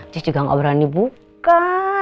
terus juga gak berani buka